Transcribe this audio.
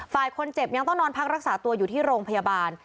ฝ่ายคนเจ็บยังต้องนอนพักรักษาตัวอยู่ที่โรงพยาบาล